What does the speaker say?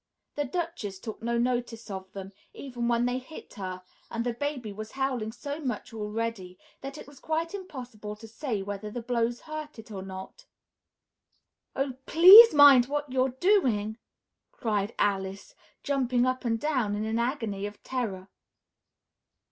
The Duchess took no notice of them, even when they hit her, and the baby was howling so much already that it was quite impossible to say whether the blows hurt it or not. "Oh, please mind what you're doing!" cried Alice, jumping up and down in an agony of terror.